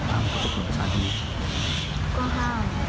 แต่ว่าก่อนที่เค้าจะมาคบกับหนุ่ม